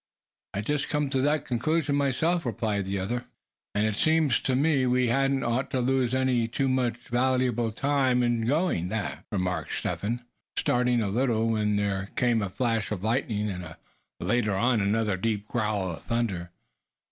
"I'd just come to that conclusion myself," replied the other. "And seems to me we hadn't ought to lose any too much valuable time in doing that," remarked Step Hen, starting a little when there came a flash of lightning, and later on another deep growl of thunder.